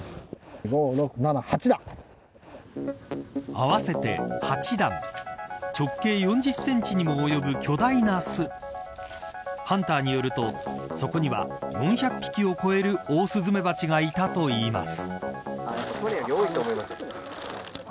合わせて８段直径４０センチにも及ぶ巨大な巣ハンターによるとそこには４００匹を超えるオオスズメバチがいたといいます。